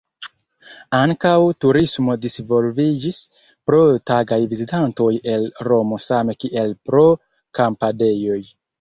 Ankaŭ turismo disvolviĝis, pro tagaj vizitantoj el Romo same kiel pro kampadejoj.